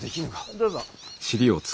どうぞ。